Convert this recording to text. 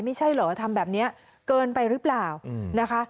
ไม่ใช่เหรอทำแบบนี้เกินไปหรือเปล่านะคะ